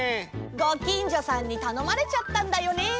ごきんじょさんにたのまれちゃったんだよね。